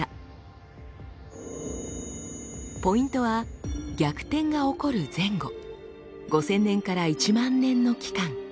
ポイントは逆転が起こる前後５，０００年から１万年の期間。